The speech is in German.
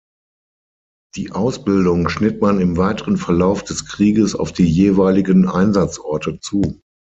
Die Ausbildung schnitt man im weiteren Verlauf des Krieges auf die jeweiligen Einsatzorte zu.